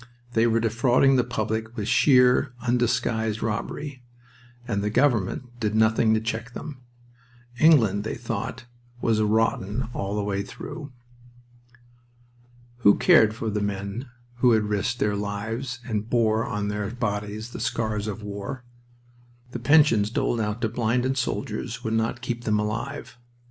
They were defrauding the public with sheer, undisguised robbery, and the government did nothing to check them. England, they thought, was rotten all through. Who cared for the men who had risked their lives and bore on their bodies the scars of war? The pensions doled out to blinded soldiers would not keep them alive.